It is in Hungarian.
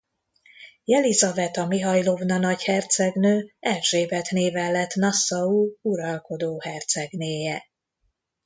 Jelizaveta Mihajlovna nagyhercegnő Erzsébet néven lett Nassau uralkodó hercegnéje.